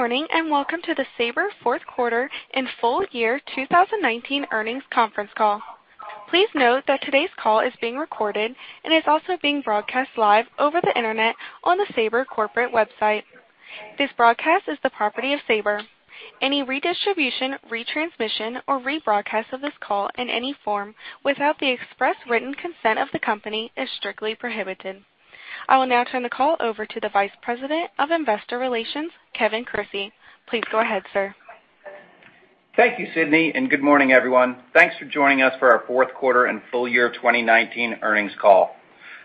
Good morning, welcome to the Sabre Fourth Quarter and Full Year 2019 Earnings Conference Call. Please note that today's call is being recorded and is also being broadcast live over the internet on the Sabre corporate website. This broadcast is the property of Sabre. Any redistribution, retransmission, or rebroadcast of this call in any form without the express written consent of the company is strictly prohibited. I will now turn the call over to the Vice President of Investor Relations, Kevin Crissey. Please go ahead, sir. Thank you, Sydney, and good morning, everyone. Thanks for joining us for our Fourth Quarter and Full Year 2019 Earnings Call.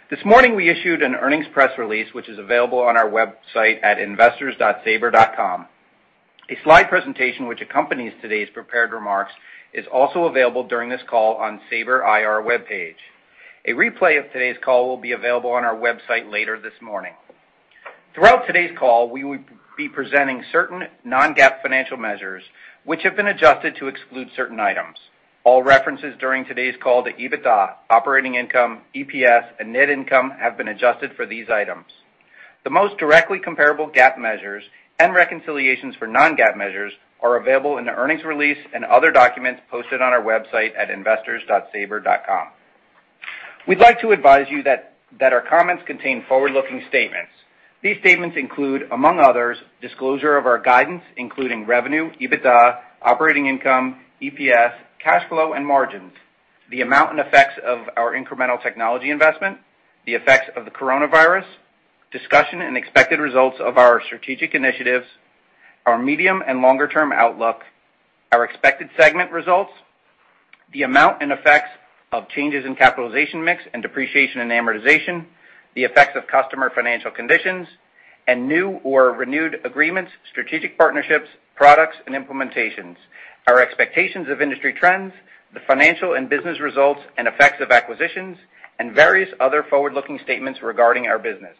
This morning, we issued an earnings press release, which is available on our website at investors.sabre.com. A slide presentation which accompanies today's prepared remarks is also available during this call on Sabre IR webpage. A replay of today's call will be available on our website later this morning. Throughout today's call, we will be presenting certain non-GAAP financial measures which have been adjusted to exclude certain items. All references during today's call to EBITDA, operating income, EPS, and net income have been adjusted for these items. The most directly comparable GAAP measures and reconciliations for non-GAAP measures are available in the earnings release and other documents posted on our website at investors.sabre.com. We'd like to advise you that our comments contain forward-looking statements. These statements include, among others, disclosure of our guidance, including revenue, EBITDA, operating income, EPS, cash flow, and margins, the amount and effects of our incremental technology investment, the effects of the coronavirus, discussion and expected results of our strategic initiatives, our medium and longer-term outlook, our expected segment results, the amount and effects of changes in capitalization mix and depreciation and amortization, the effects of customer financial conditions, and new or renewed agreements, strategic partnerships, products, and implementations, our expectations of industry trends, the financial and business results and effects of acquisitions, and various other forward-looking statements regarding our business.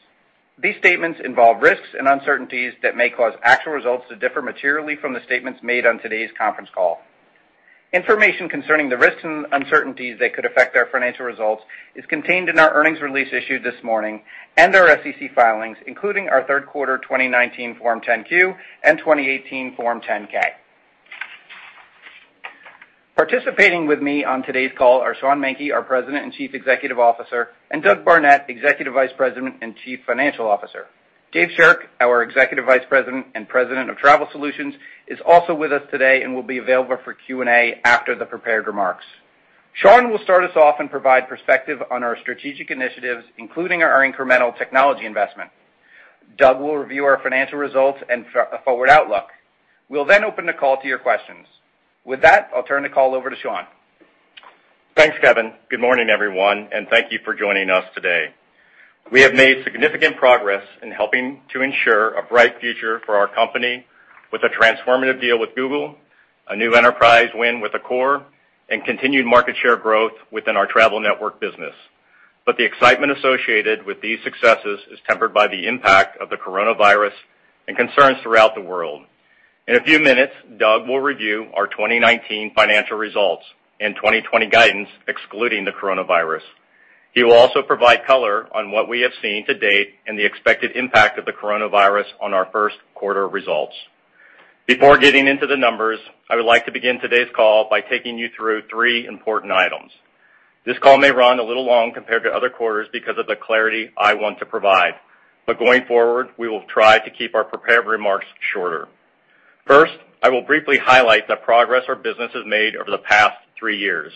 These statements involve risks and uncertainties that may cause actual results to differ materially from the statements made on today's conference call. Information concerning the risks and uncertainties that could affect our financial results is contained in our earnings release issued this morning and our SEC filings, including our third quarter 2019 Form 10-Q and 2018 Form 10-K. Participating with me on today's call are Sean Menke, our President and Chief Executive Officer, and Doug Barnett, Executive Vice President and Chief Financial Officer. Dave Shirk, our Executive Vice President and President of Travel Solutions, is also with us today and will be available for Q&A after the prepared remarks. Sean will start us off and provide perspective on our strategic initiatives, including our incremental technology investment. Doug will review our financial results and forward outlook. We'll open the call to your questions. With that, I'll turn the call over to Sean. Thanks, Kevin. Good morning, everyone, and thank you for joining us today. We have made significant progress in helping to ensure a bright future for our company with a transformative deal with Google, a new enterprise win with Accor, and continued market share growth within our Travel Network business. The excitement associated with these successes is tempered by the impact of the coronavirus and concerns throughout the world. In a few minutes, Doug will review our 2019 financial results and 2020 guidance, excluding the coronavirus. He will also provide color on what we have seen to date and the expected impact of the coronavirus on our first quarter results. Before getting into the numbers, I would like to begin today's call by taking you through three important items. This call may run a little long compared to other quarters because of the clarity I want to provide, but going forward, we will try to keep our prepared remarks shorter. First, I will briefly highlight the progress our business has made over the past three years.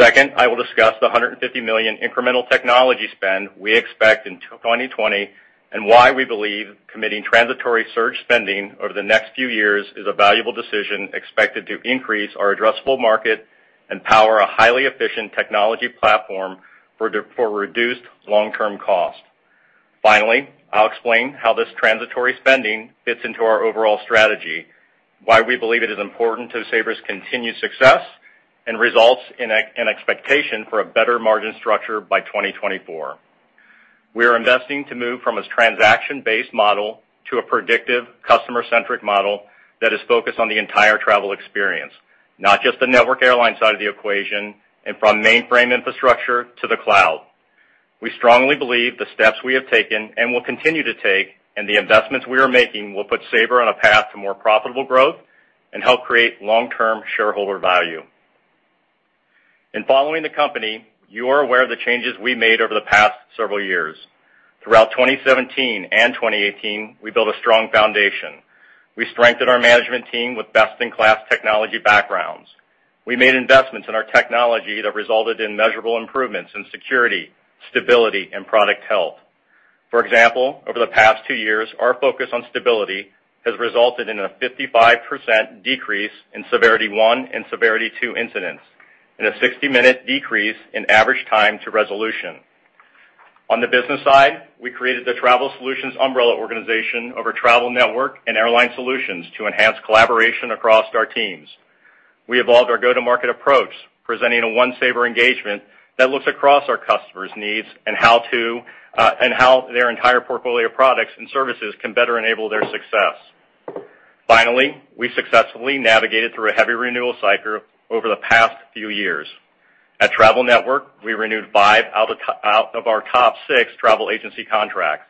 Second, I will discuss the $150 million incremental technology spend we expect in 2020 and why we believe committing transitory surge spending over the next few years is a valuable decision expected to increase our addressable market and power a highly efficient technology platform for reduced long-term cost. Finally, I'll explain how this transitory spending fits into our overall strategy, why we believe it is important to Sabre's continued success, and results in an expectation for a better margin structure by 2024. We are investing to move from a transaction-based model to a predictive, customer-centric model that is focused on the entire travel experience, not just the network airline side of the equation, and from mainframe infrastructure to the cloud. We strongly believe the steps we have taken and will continue to take and the investments we are making will put Sabre on a path to more profitable growth and help create long-term shareholder value. In following the company, you are aware of the changes we made over the past several years. Throughout 2017 and 2018, we built a strong foundation. We strengthened our management team with best-in-class technology backgrounds. We made investments in our technology that resulted in measurable improvements in security, stability, and product health. For example, over the past two years, our focus on stability has resulted in a 55% decrease in Severity 1 and Severity 2 incidents and a 60-minute decrease in average time to resolution. On the business side, we created the Travel Solutions umbrella organization over Travel Network and Airline Solutions to enhance collaboration across our teams. We evolved our go-to-market approach, presenting a one Sabre engagement that looks across our customers' needs and how their entire portfolio of products and services can better enable their success. We successfully navigated through a heavy renewal cycle over the past few years. At Travel Network, we renewed five out of our top six travel agency contracts.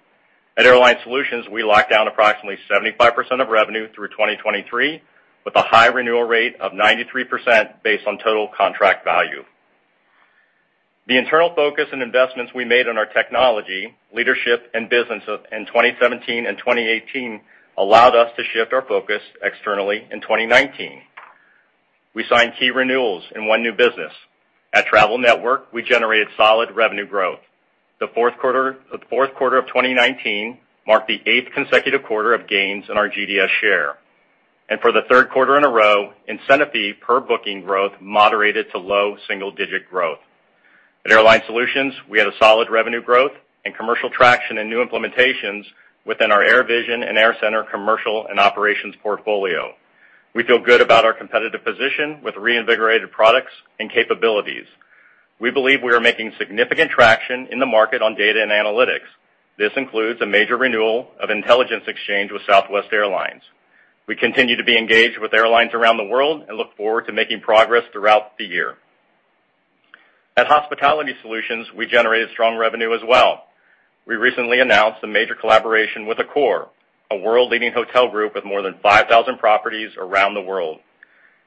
At Airline Solutions, we locked down approximately 75% of revenue through 2023, with a high renewal rate of 93% based on total contract value. The internal focus and investments we made on our technology, leadership, and business in 2017 and 2018 allowed us to shift our focus externally in 2019. We signed key renewals in one new business. At Travel Network, we generated solid revenue growth. The fourth quarter of 2019 marked the eighth consecutive quarter of gains in our GDS share. For the third quarter in a row, incentive fee per booking growth moderated to low single-digit growth. At Airline Solutions, we had a solid revenue growth and commercial traction and new implementations within our AirVision and AirCentre commercial and operations portfolio. We feel good about our competitive position with reinvigorated products and capabilities. We believe we are making significant traction in the market on data and analytics. This includes a major renewal of Intelligence Exchange with Southwest Airlines. We continue to be engaged with airlines around the world and look forward to making progress throughout the year. At Hospitality Solutions, we generated strong revenue as well. We recently announced a major collaboration with Accor, a world-leading hotel group with more than 5,000 properties around the world.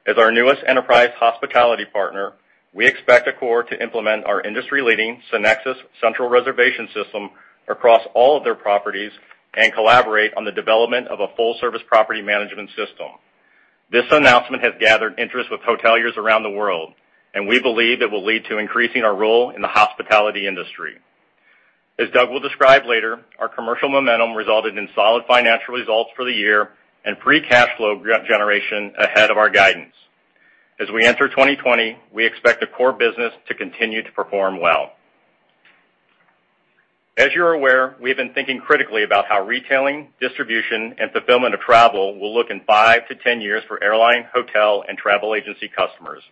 As our newest enterprise hospitality partner, we expect Accor to implement our industry-leading SynXis central reservation system across all of their properties and collaborate on the development of a full-service property management system. This announcement has gathered interest with hoteliers around the world, we believe it will lead to increasing our role in the hospitality industry. As Doug will describe later, our commercial momentum resulted in solid financial results for the year and free cash flow generation ahead of our guidance. As we enter 2020, we expect the core business to continue to perform well. As you're aware, we've been thinking critically about how retailing, distribution, and fulfillment of travel will look in 5-10 years for airline, hotel, and travel agency customers.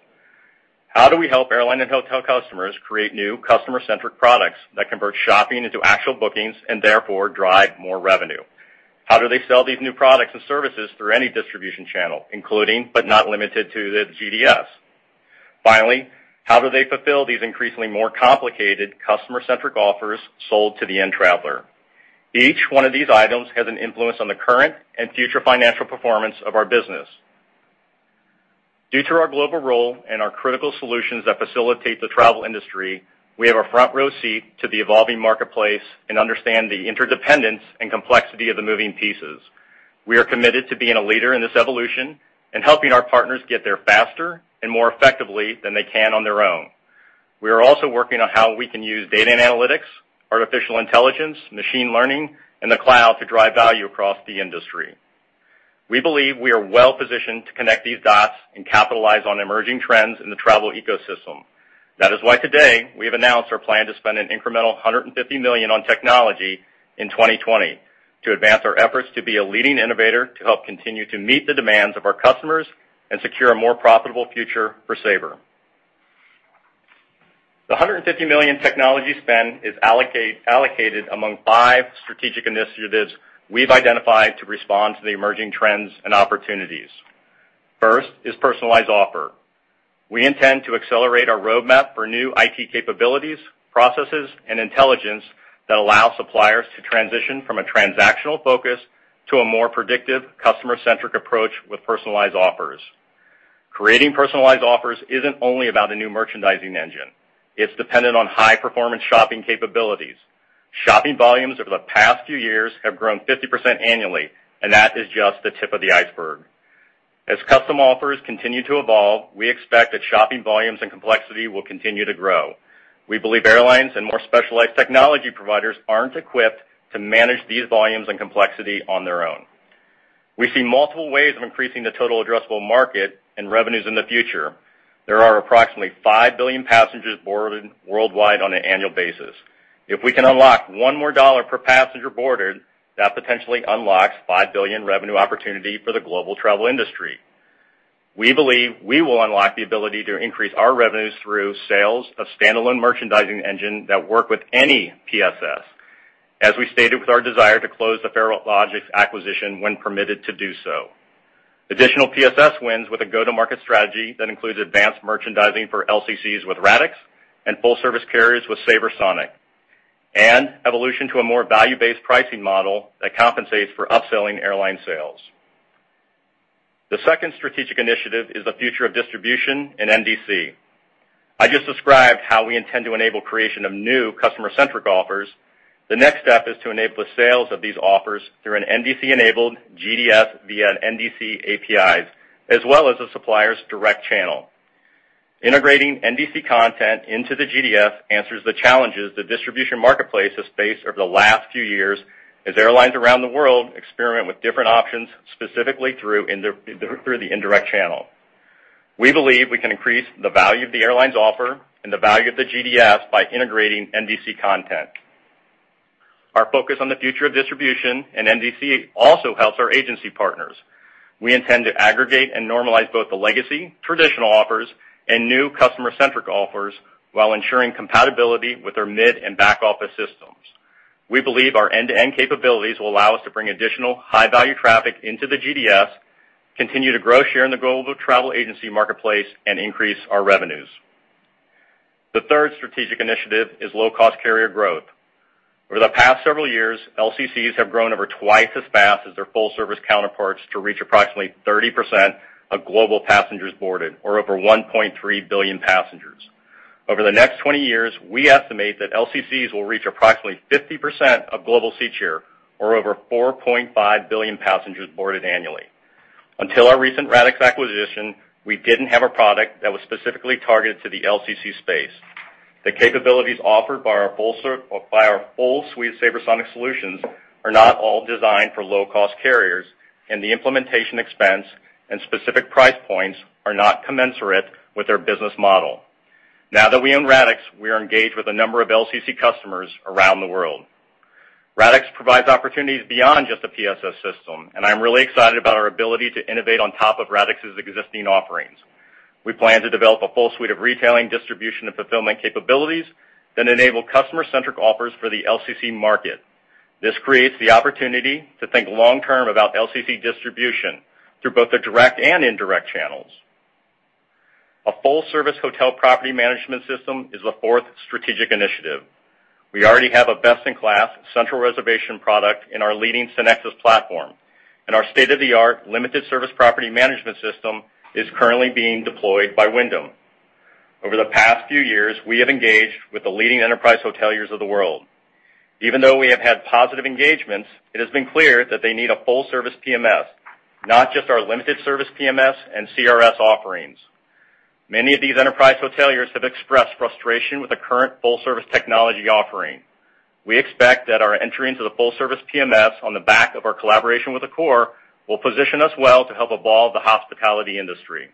How do we help airline and hotel customers create new customer-centric products that convert shopping into actual bookings and therefore drive more revenue? How do they sell these new products and services through any distribution channel, including but not limited to the GDS? Finally, how do they fulfill these increasingly more complicated customer-centric offers sold to the end traveler? Each one of these items has an influence on the current and future financial performance of our business. Due to our global role and our critical solutions that facilitate the travel industry, we have a front-row seat to the evolving marketplace and understand the interdependence and complexity of the moving pieces. We are committed to being a leader in this evolution and helping our partners get there faster and more effectively than they can on their own. We are also working on how we can use data and analytics, artificial intelligence, machine learning, and the cloud to drive value across the industry. We believe we are well-positioned to connect these dots and capitalize on emerging trends in the travel ecosystem. That is why today, we have announced our plan to spend an incremental $150 million on technology in 2020 to advance our efforts to be a leading innovator to help continue to meet the demands of our customers and secure a more profitable future for Sabre. The $150 million technology spend is allocated among five strategic initiatives we've identified to respond to the emerging trends and opportunities. First is Personalized Offer. We intend to accelerate our roadmap for new IT capabilities, processes, and intelligence that allow suppliers to transition from a transactional focus to a more predictive, customer-centric approach with personalized offers. Creating personalized offers isn't only about a new merchandising engine. It's dependent on high-performance shopping capabilities. Shopping volumes over the past few years have grown 50% annually, and that is just the tip of the iceberg. As custom offers continue to evolve, we expect that shopping volumes and complexity will continue to grow. We believe airlines and more specialized technology providers aren't equipped to manage these volumes and complexity on their own. We see multiple ways of increasing the total addressable market and revenues in the future. There are approximately 5 billion passengers boarded worldwide on an annual basis. If we can unlock one more dollar per passenger boarded, that potentially unlocks $5 billion revenue opportunity for the global travel industry. We believe we will unlock the ability to increase our revenues through sales of standalone merchandising engine that work with any PSS, as we stated with our desire to close the Farelogix acquisition when permitted to do so. Additional PSS wins with a go-to-market strategy that includes advanced merchandising for LCCs with Radixx and full-service carriers with SabreSonic, and evolution to a more value-based pricing model that compensates for upselling airline sales. The second strategic initiative is the future of distribution in NDC. I just described how we intend to enable creation of new customer-centric offers. The next step is to enable the sales of these offers through an NDC-enabled GDS via an NDC APIs, as well as a supplier's direct channel. Integrating NDC content into the GDS answers the challenges the distribution marketplace has faced over the last few years as airlines around the world experiment with different options, specifically through the indirect channel. We believe we can increase the value of the airline's offer and the value of the GDS by integrating NDC content. Our focus on the future of distribution and NDC also helps our agency partners. We intend to aggregate and normalize both the legacy traditional offers and new customer-centric offers while ensuring compatibility with their mid and back-office system. We believe our end-to-end capabilities will allow us to bring additional high-value traffic into the GDS, continue to grow share in the global travel agency marketplace, and increase our revenues. The third strategic initiative is low-cost carrier growth. Over the past several years, LCCs have grown over twice as fast as their full-service counterparts to reach approximately 30% of global passengers boarded, or over 1.3 billion passengers. Over the next 20 years, we estimate that LCCs will reach approximately 50% of global seat share, or over 4.5 billion passengers boarded annually. Until our recent Radixx acquisition, we didn't have a product that was specifically targeted to the LCC space. The capabilities offered by our full suite of SabreSonic solutions are not all designed for low-cost carriers, and the implementation expense and specific price points are not commensurate with their business model. Now that we own Radixx, we are engaged with a number of LCC customers around the world. Radixx provides opportunities beyond just a PSS system, and I'm really excited about our ability to innovate on top of Radixx's existing offerings. We plan to develop a full suite of retailing, distribution, and fulfillment capabilities that enable customer-centric offers for the LCC market. This creates the opportunity to think long-term about LCC distribution through both the direct and indirect channels. A full-service hotel property management system is the fourth strategic initiative. We already have a best-in-class central reservation product in our leading SynXis platform, and our state-of-the-art limited service property management system is currently being deployed by Wyndham. Over the past few years, we have engaged with the leading enterprise hoteliers of the world. Even though we have had positive engagements, it has been clear that they need a full-service PMS, not just our limited service PMS and CRS offerings. Many of these enterprise hoteliers have expressed frustration with the current full-service technology offering. We expect that our entry into the full-service PMS on the back of our collaboration with Accor will position us well to help evolve the hospitality industry.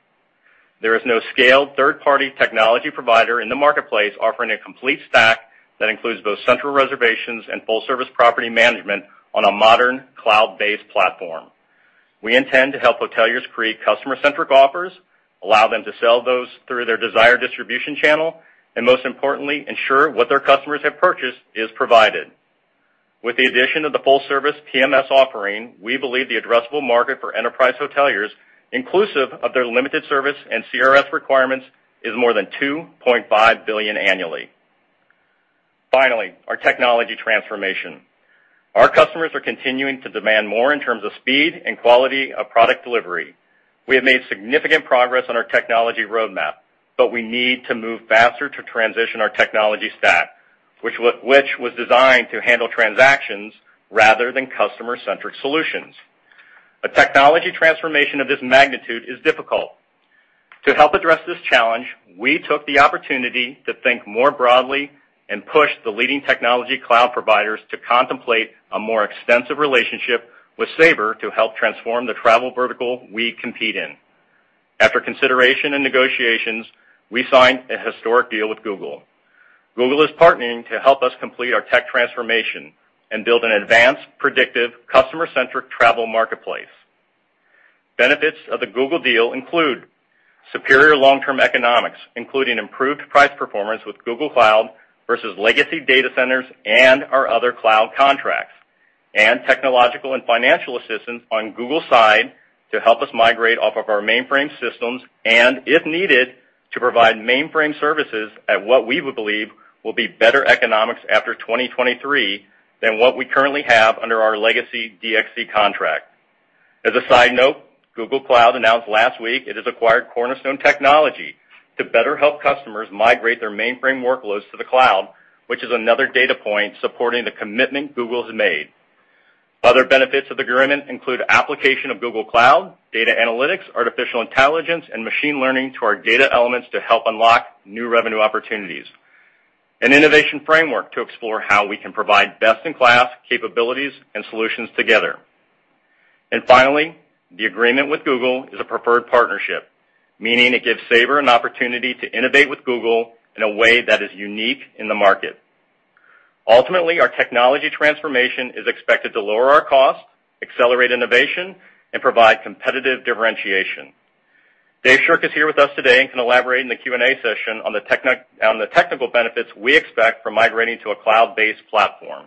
There is no scaled third-party technology provider in the marketplace offering a complete stack that includes both central reservations and full-service property management on a modern cloud-based platform. We intend to help hoteliers create customer-centric offers, allow them to sell those through their desired distribution channel, and most importantly, ensure what their customers have purchased is provided. With the addition of the full-service PMS offering, we believe the addressable market for enterprise hoteliers, inclusive of their limited service and CRS requirements, is more than $2.5 billion annually. Our technology transformation. Our customers are continuing to demand more in terms of speed and quality of product delivery. We have made significant progress on our technology roadmap, but we need to move faster to transition our technology stack, which was designed to handle transactions rather than customer-centric solutions. A technology transformation of this magnitude is difficult. To help address this challenge, we took the opportunity to think more broadly and push the leading technology cloud providers to contemplate a more extensive relationship with Sabre to help transform the travel vertical we compete in. After consideration and negotiations, we signed a historic deal with Google. Google is partnering to help us complete our tech transformation and build an advanced, predictive, customer-centric travel marketplace. Benefits of the Google deal include superior long-term economics, including improved price performance with Google Cloud versus legacy data centers and our other cloud contracts, and technological and financial assistance on Google's side to help us migrate off of our mainframe systems and, if needed, to provide mainframe services at what we would believe will be better economics after 2023 than what we currently have under our legacy DXC contract. As a side note, Google Cloud announced last week it has acquired Cornerstone Technology to better help customers migrate their mainframe workloads to the cloud, which is another data point supporting the commitment Google's made. Other benefits of the agreement include application of Google Cloud, data analytics, artificial intelligence, and machine learning to our data elements to help unlock new revenue opportunities. An innovation framework to explore how we can provide best-in-class capabilities and solutions together. Finally, the agreement with Google is a preferred partnership, meaning it gives Sabre an opportunity to innovate with Google in a way that is unique in the market. Ultimately, our technology transformation is expected to lower our cost, accelerate innovation, and provide competitive differentiation. Dave Shirk is here with us today and can elaborate in the Q&A session on the technical benefits we expect from migrating to a cloud-based platform.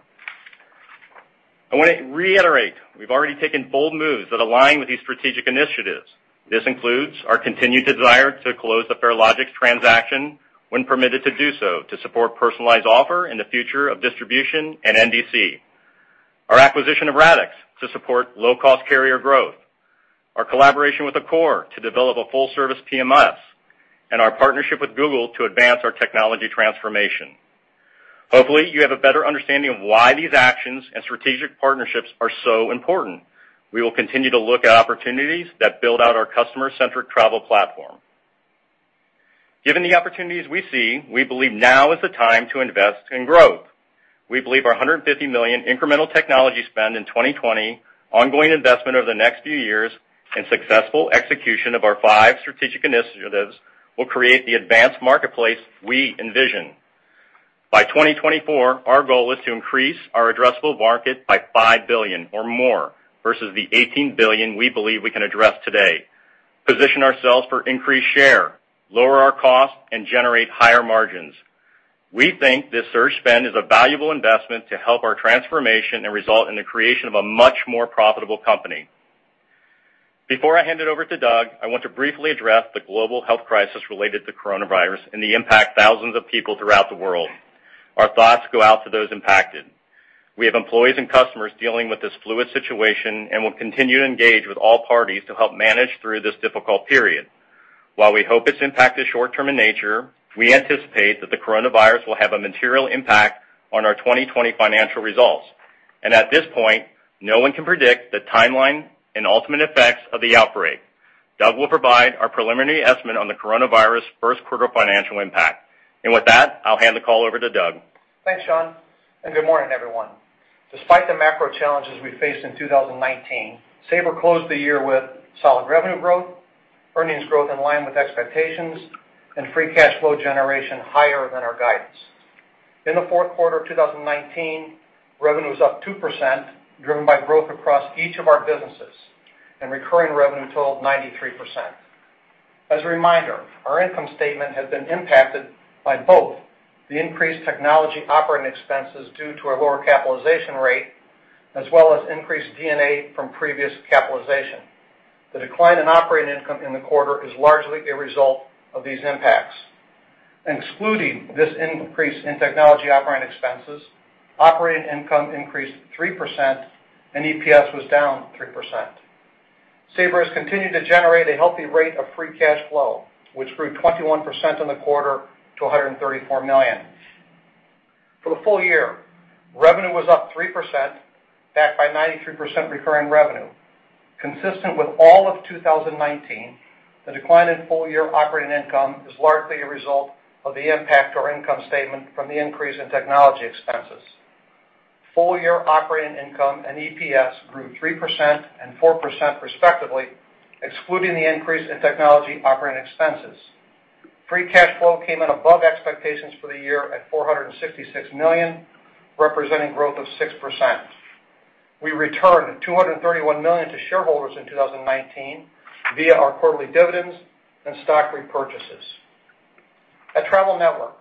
I want to reiterate, we've already taken bold moves that align with these strategic initiatives. This includes our continued desire to close the Farelogix transaction when permitted to do so to support personalized offer in the future of distribution and NDC, our acquisition of Radixx to support low-cost carrier growth, our collaboration with Accor to develop a full-service PMS, and our partnership with Google to advance our technology transformation. Hopefully, you have a better understanding of why these actions and strategic partnerships are so important. We will continue to look at opportunities that build out our customer-centric travel platform. Given the opportunities we see, we believe now is the time to invest in growth. We believe our $150 million incremental technology spend in 2020, ongoing investment over the next few years, and successful execution of our five strategic initiatives will create the advanced marketplace we envision. By 2024, our goal is to increase our addressable market by $5 billion or more, versus the $18 billion we believe we can address today. Position ourselves for increased share, lower our costs, and generate higher margins. We think this surge spend is a valuable investment to help our transformation and result in the creation of a much more profitable company. Before I hand it over to Doug, I want to briefly address the global health crisis related to coronavirus and the impact thousands of people throughout the world. Our thoughts go out to those impacted. We have employees and customers dealing with this fluid situation and will continue to engage with all parties to help manage through this difficult period. While we hope its impact is short-term in nature, we anticipate that the coronavirus will have a material impact on our 2020 financial results. At this point, no one can predict the timeline and ultimate effects of the outbreak. Doug will provide our preliminary estimate on the coronavirus first quarter financial impact. With that, I'll hand the call over to Doug. Thanks, Sean. Good morning, everyone. Despite the macro challenges we faced in 2019, Sabre closed the year with solid revenue growth, earnings growth in line with expectations, and free cash flow generation higher than our guidance. In the fourth quarter of 2019, revenue was up 2%, driven by growth across each of our businesses and recurring revenue totaled 93%. As a reminder, our income statement has been impacted by both the increased technology operating expenses due to a lower capitalization rate as well as increased D&A from previous capitalization. The decline in operating income in the quarter is largely a result of these impacts. Excluding this increase in technology operating expenses, operating income increased 3% and EPS was down 3%. Sabre has continued to generate a healthy rate of free cash flow, which grew 21% in the quarter to $134 million. For the full year, revenue was up 3%, backed by 93% recurring revenue. Consistent with all of 2019, the decline in full-year operating income is largely a result of the impact to our income statement from the increase in technology expenses. Full-year operating income and EPS grew 3% and 4% respectively, excluding the increase in technology operating expenses. Free cash flow came in above expectations for the year at $466 million, representing growth of 6%. We returned $231 million to shareholders in 2019 via our quarterly dividends and stock repurchases. At Travel Network,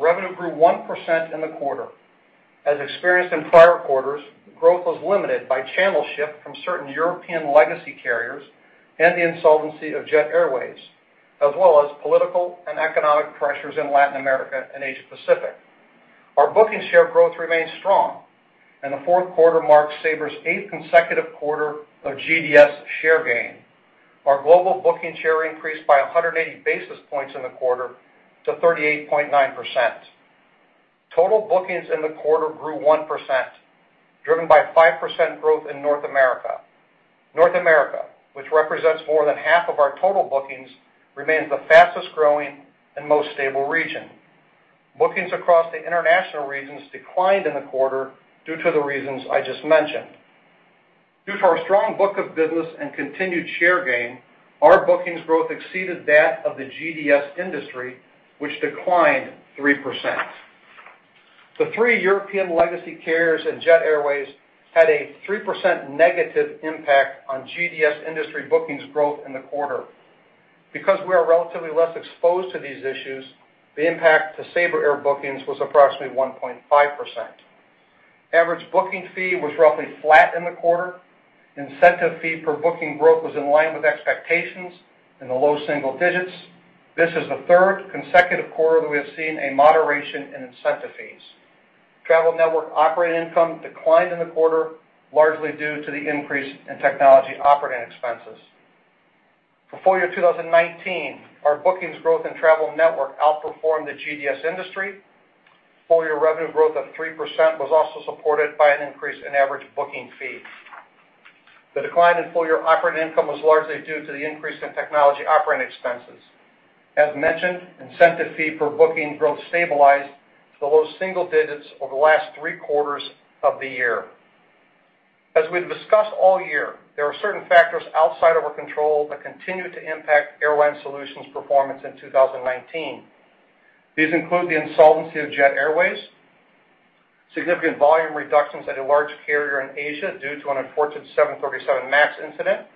revenue grew 1% in the quarter. As experienced in prior quarters, growth was limited by channel shift from certain European legacy carriers and the insolvency of Jet Airways, as well as political and economic pressures in Latin America and Asia Pacific. Our booking share growth remains strong, and the fourth quarter marks Sabre's eighth consecutive quarter of GDS share gain. Our global booking share increased by 180 basis points in the quarter to 38.9%. Total bookings in the quarter grew 1%, driven by 5% growth in North America. North America, which represents more than half of our total bookings, remains the fastest-growing and most stable region. Bookings across the international regions declined in the quarter due to the reasons I just mentioned. Due to our strong book of business and continued share gain, our bookings growth exceeded that of the GDS industry, which declined 3%. The three European legacy carriers and Jet Airways had a 3% negative impact on GDS industry bookings growth in the quarter. Because we are relatively less exposed to these issues, the impact to Sabre air bookings was approximately 1.5%. Average booking fee was roughly flat in the quarter. Incentive fee per booking growth was in line with expectations in the low single digits. This is the third consecutive quarter that we have seen a moderation in incentive fees. Travel Network operating income declined in the quarter, largely due to the increase in technology operating expenses. For full year 2019, our bookings growth in Travel Network outperformed the GDS industry. Full-year revenue growth of 3% was also supported by an increase in average booking fees. The decline in full-year operating income was largely due to the increase in technology operating expenses. As mentioned, incentive fee per booking growth stabilized to the low single digits over the last three quarters of the year. As we've discussed all year, there are certain factors outside of our control that continue to impact Airline Solutions' performance in 2019. These include the insolvency of Jet Airways, significant volume reductions at a large carrier in Asia due to an unfortunate 737 MAX incident,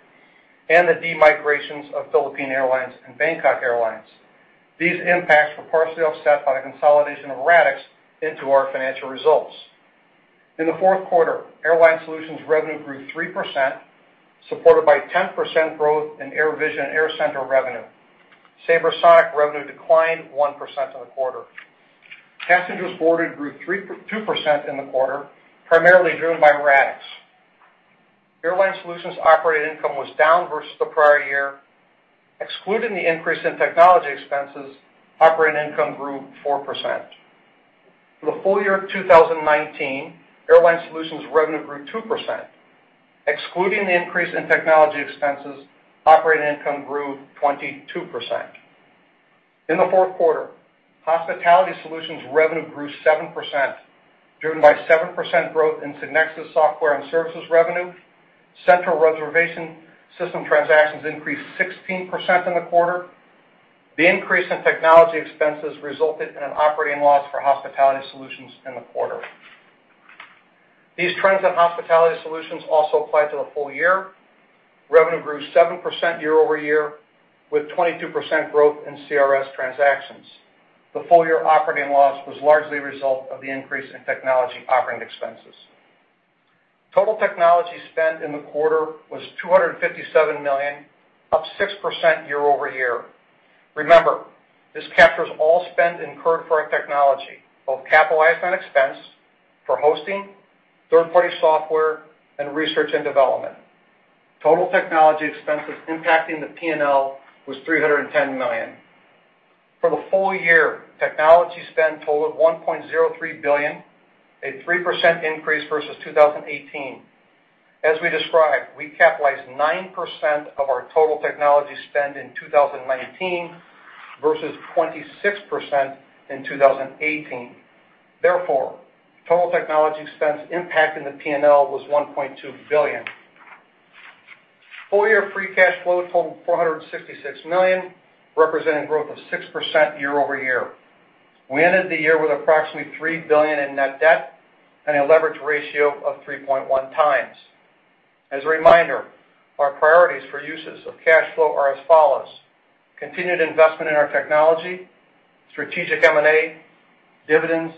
and the de-migrations of Philippine Airlines and Bangkok Airways. These impacts were partially offset by the consolidation of Radixx into our financial results. In the fourth quarter, Airline Solutions revenue grew 3%, supported by 10% growth in AirVision and AirCentre revenue. SabreSonic revenue declined 1% in the quarter. Passengers boarded grew 2% in the quarter, primarily driven by Radixx. Airline Solutions operating income was down versus the prior year. Excluding the increase in technology expenses, operating income grew 4%. For the full year of 2019, Airline Solutions revenue grew 2%. Excluding the increase in technology expenses, operating income grew 22%. In the fourth quarter, Hospitality Solutions revenue grew 7%, driven by 7% growth in SynXis software and services revenue. Central reservation system transactions increased 16% in the quarter. The increase in technology expenses resulted in an operating loss for Hospitality Solutions in the quarter. These trends in Hospitality Solutions also apply to the full year. Revenue grew 7% year-over-year, with 22% growth in CRS transactions. The full-year operating loss was largely a result of the increase in technology operating expenses. Total technology spend in the quarter was $257 million, up 6% year-over-year. Remember, this captures all spend incurred for our technology, both capitalized and expense, for hosting, third-party software, and research and development. Total technology expenses impacting the P&L was $310 million. For the full year, technology spend totaled $1.03 billion, a 3% increase versus 2018. As we described, we capitalized 9% of our total technology spend in 2019 versus 26% in 2018. Therefore, total technology expense impacting the P&L was $1.2 billion. Full-year free cash flow totaled $466 million, representing growth of 6% year-over-year. We ended the year with approximately $3 billion in net debt and a leverage ratio of 3.1x. As a reminder, our priorities for uses of cash flow are as follows: continued investment in our technology, strategic M&A, dividends,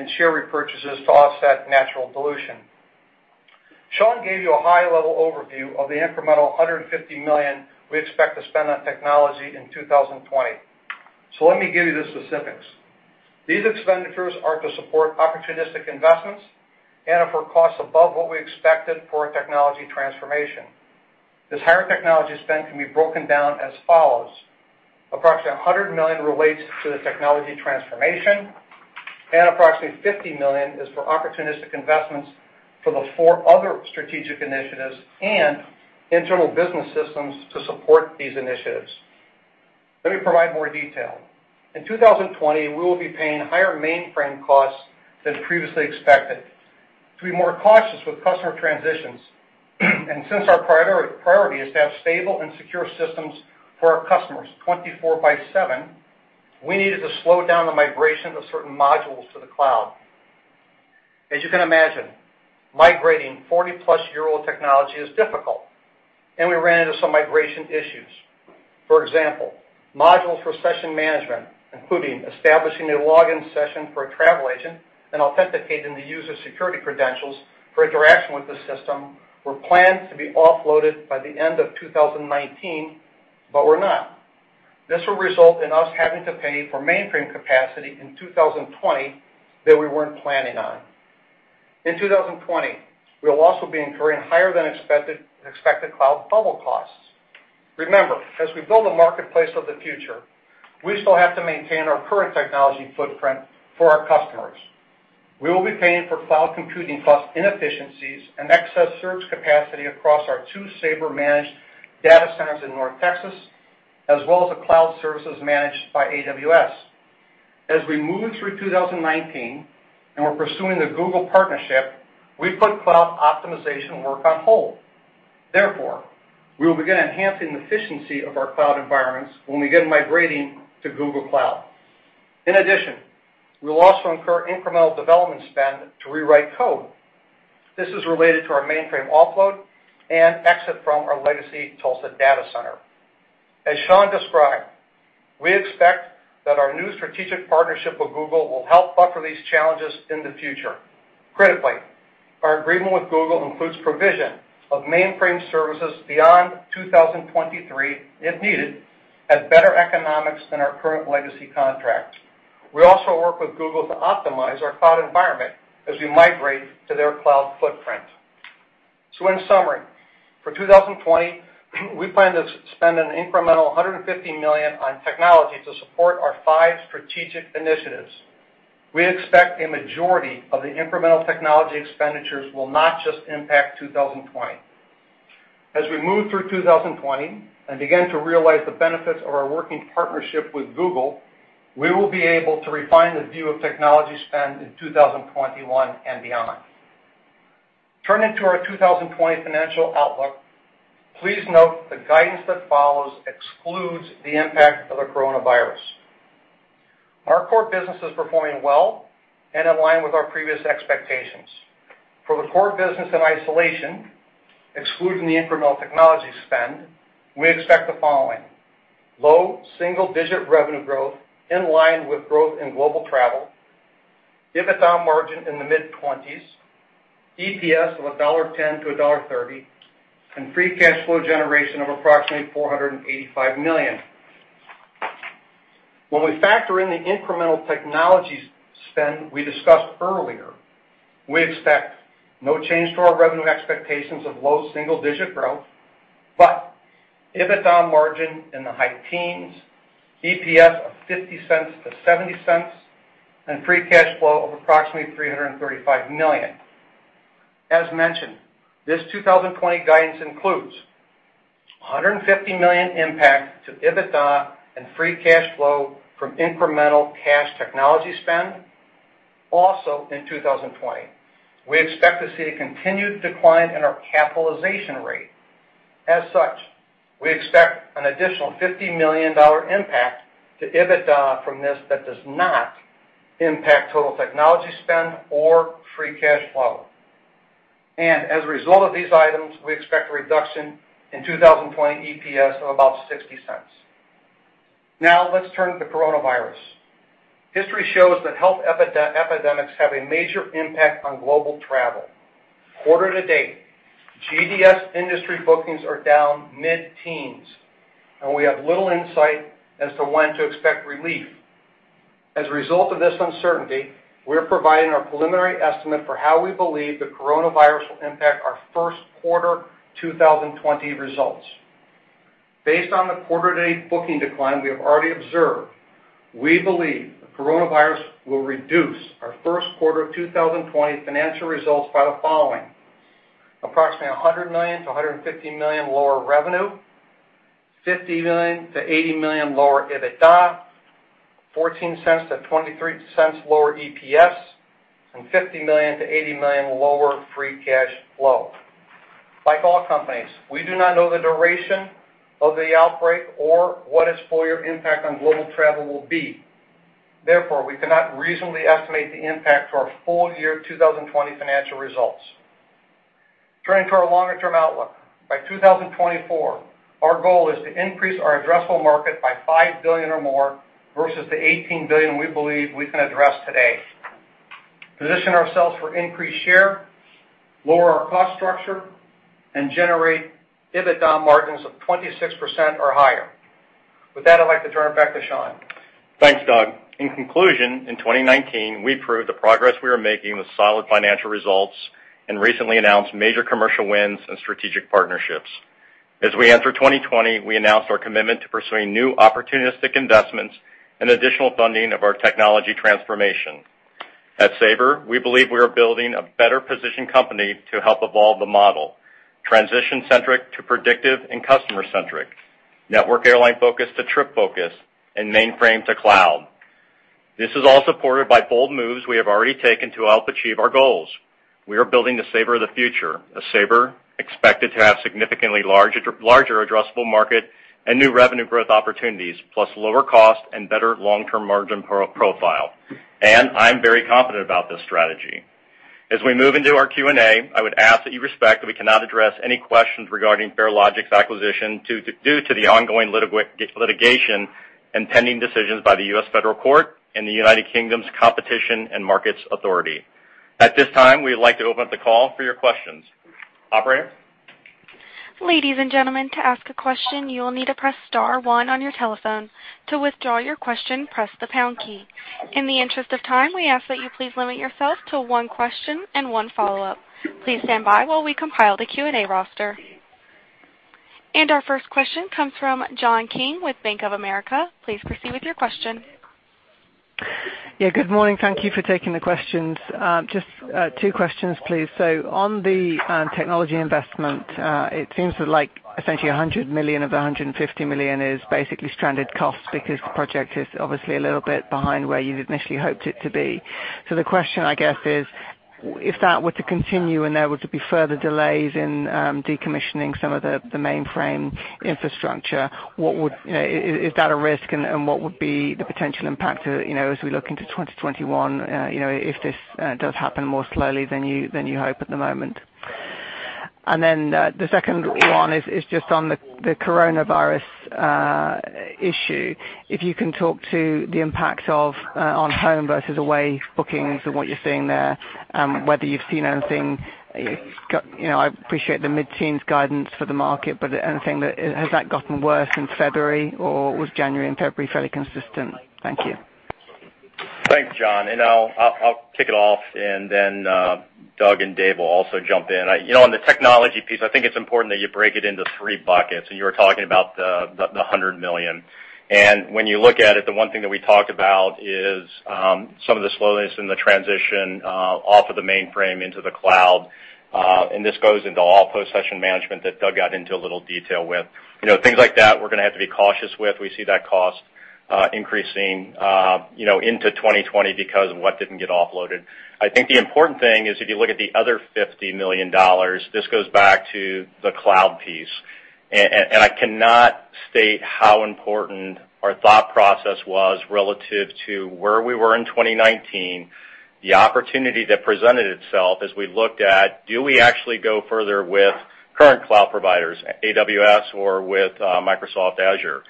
and share repurchases to offset natural dilution. Sean gave you a high-level overview of the incremental $150 million we expect to spend on technology in 2020. Let me give you the specifics. These expenditures are to support opportunistic investments and are for costs above what we expected for our Technology Transformation. This higher technology spend can be broken down as follows: approximately $100 million relates to the Technology Transformation, and approximately $50 million is for opportunistic investments for the four other strategic initiatives and internal business systems to support these initiatives. Let me provide more detail. In 2020, we will be paying higher mainframe costs than previously expected. Since our priority is to have stable and secure systems for our customers 24 by seven, we needed to slow down the migration of certain modules to the cloud. As you can imagine, migrating 40+-year-old technology is difficult, and we ran into some migration issues. For example, modules for session management, including establishing a login session for a travel agent and authenticating the user's security credentials for interaction with the system were planned to be offloaded by the end of 2019, but were not. This will result in us having to pay for mainframe capacity in 2020 that we weren't planning on. In 2020, we will also be incurring higher than expected cloud bubble costs. Remember, as we build the marketplace of the future, we still have to maintain our current technology footprint for our customers. We will be paying for cloud computing plus inefficiencies and excess search capacity across our two Sabre-managed data centers in North Texas, as well as the cloud services managed by AWS. As we move through 2019 and we're pursuing the Google partnership, we put cloud optimization work on hold. We will begin enhancing the efficiency of our cloud environments when we begin migrating to Google Cloud. We will also incur incremental development spend to rewrite code. This is related to our mainframe offload and exit from our legacy Tulsa Data Center. As Sean described, we expect that our new strategic partnership with Google will help buffer these challenges in the future. Critically, our agreement with Google includes provision of mainframe services beyond 2023, if needed, at better economics than our current legacy contracts. We'll also work with Google to optimize our cloud environment as we migrate to their cloud footprint. In summary, for 2020, we plan to spend an incremental $150 million on technology to support our five strategic initiatives. We expect a majority of the incremental technology expenditures will not just impact 2020. As we move through 2020 and begin to realize the benefits of our working partnership with Google, we will be able to refine the view of technology spend in 2021 and beyond. Turning to our 2020 financial outlook, please note the guidance that follows excludes the impact of the coronavirus. Our core business is performing well and in line with our previous expectations. For the core business in isolation, excluding the incremental technology spend, we expect the following: low single-digit revenue growth in line with growth in global travel, EBITDA margin in the mid-20s, EPS of $1.10-$1.30, and free cash flow generation of approximately $485 million. When we factor in the incremental technology spend we discussed earlier, we expect no change to our revenue expectations of low single-digit growth, but EBITDA margin in the high teens, EPS of $0.50-$0.70, and free cash flow of approximately $335 million. As mentioned, this 2020 guidance includes a $150 million impact to EBITDA and free cash flow from incremental cash technology spend. Also in 2020, we expect to see a continued decline in our capitalization rate. As such, we expect an additional $50 million impact to EBITDA from this that does not impact total technology spend or free cash flow. As a result of these items, we expect a reduction in 2020 EPS of about $0.60. Let's turn to the coronavirus. History shows that health epidemics have a major impact on global travel. Quarter to date, GDS industry bookings are down mid-teens, and we have little insight as to when to expect relief. As a result of this uncertainty, we're providing our preliminary estimate for how we believe the coronavirus will impact our first quarter 2020 results. Based on the quarter date booking decline we have already observed, we believe the coronavirus will reduce our first quarter of 2020 financial results by the following: approximately $100 million-$150 million lower revenue, $50 million-$80 million lower EBITDA, $0.14-$0.23 lower EPS, and $50 million-$80 million lower free cash flow. Like all companies, we do not know the duration of the outbreak or what its full year impact on global travel will be. Therefore, we cannot reasonably estimate the impact to our full year 2020 financial results. Turning to our longer term outlook, by 2024, our goal is to increase our addressable market by $5 billion or more versus the $18 billion we believe we can address today, position ourselves for increased share, lower our cost structure, and generate EBITDA margins of 26% or higher. With that, I'd like to turn it back to Sean. Thanks, Doug. In conclusion, in 2019, we proved the progress we were making with solid financial results and recently announced major commercial wins and strategic partnerships. As we enter 2020, we announced our commitment to pursuing new opportunistic investments and additional funding of our technology transformation. At Sabre, we believe we are building a better positioned company to help evolve the model, transition centric to predictive and customer centric, network airline focus to trip focus, and mainframe to cloud. This is all supported by bold moves we have already taken to help achieve our goals. We are building the Sabre of the future, a Sabre expected to have significantly larger addressable market and new revenue growth opportunities, plus lower cost and better long-term margin profile. I'm very confident about this strategy. As we move into our Q&A, I would ask that you respect that we cannot address any questions regarding Farelogix acquisition due to the ongoing litigation and pending decisions by the U.S. Federal Court and the U.K.'s Competition and Markets Authority. At this time, we'd like to open up the call for your questions. Operator? Ladies and gentlemen, to ask a question, you will need to press star one on your telephone. To withdraw your question, press the pound key. In the interest of time, we ask that you please limit yourself to one question and one follow-up. Please stand by while we compile the Q&A roster. Our first question comes from John King with Bank of America. Please proceed with your question. Yeah, good morning. Thank you for taking the questions. Just two questions, please. On the technology investment, it seems that essentially $100 million of the $150 million is basically stranded costs because the project is obviously a little bit behind where you'd initially hoped it to be. The question, I guess, is, if that were to continue and there were to be further delays in decommissioning some of the mainframe infrastructure, is that a risk and what would be the potential impact as we look into 2021, if this does happen more slowly than you hope at the moment? The second one is just on the coronavirus issue. If you can talk to the impact of on home versus away bookings and what you're seeing there, whether you've seen anything I appreciate the mid-teens guidance for the market, but anything that, has that gotten worse in February, or was January and February fairly consistent? Thank you. Thanks, John. I'll kick it off and then Doug and Dave will also jump in. On the technology piece, I think it's important that you break it into three buckets, you were talking about the $100 million. When you look at it, the one thing that we talked about is some of the slowness in the transition off of the mainframe into the cloud, this goes into all post-session management that Doug got into a little detail with. Things like that, we're going to have to be cautious with. We see that cost increasing into 2020 because of what didn't get offloaded. I think the important thing is if you look at the other $50 million, this goes back to the cloud piece. I cannot state how important our thought process was relative to where we were in 2019, the opportunity that presented itself as we looked at, do we actually go further with current cloud providers, AWS or with Microsoft Azure?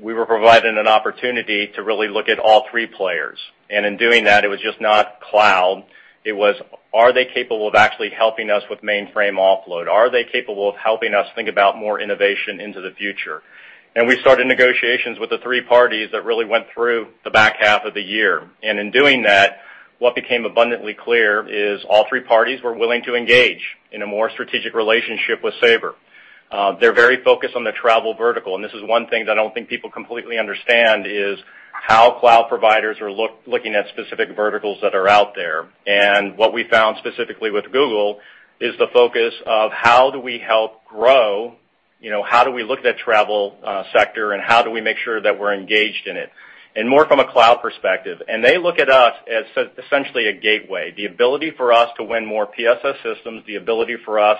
We were provided an opportunity to really look at all three players. In doing that, it was just not cloud. It was, are they capable of actually helping us with mainframe offload? Are they capable of helping us think about more innovation into the future? We started negotiations with the three parties that really went through the back half of the year. In doing that, what became abundantly clear is all three parties were willing to engage in a more strategic relationship with Sabre. They're very focused on the travel vertical. This is one thing that I don't think people completely understand is how cloud providers are looking at specific verticals that are out there. What we found specifically with Google is the focus of how do we look at the travel sector, and how do we make sure that we're engaged in it? More from a cloud perspective. They look at us as essentially a gateway. The ability for us to win more PSS systems, the ability for us